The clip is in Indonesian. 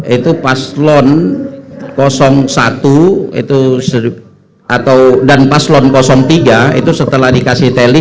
itu paslon satu dan paslon tiga itu setelah dikasih teli